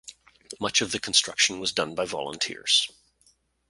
Much of the construction was done by volunteers.